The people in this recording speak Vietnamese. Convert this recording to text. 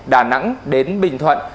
đà nẵng đến bình thuận